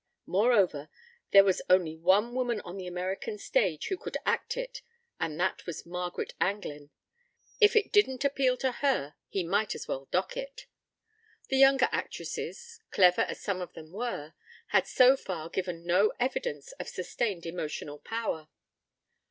Moreover, there was only one woman on the American stage who could act it and that was Margaret Anglin. If it didn't appeal to her he might as well dock it. The younger actresses, clever as some of them were, had so far given no evidence of sustained emotional power.